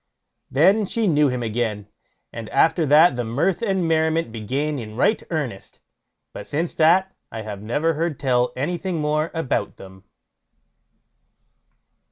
Then she knew him again, and after that the mirth and merriment began in right earnest; but since that I have never heard tell anything more about them.